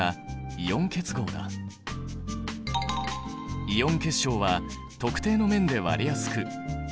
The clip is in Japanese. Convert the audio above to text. イオン結晶は特定の面で割れやすく融点が高い。